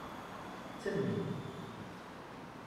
Tettamen-ik.